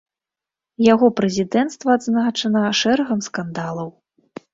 Яго прэзідэнцтва адзначана шэрагам скандалаў.